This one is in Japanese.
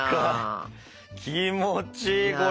気持ちいいこれ。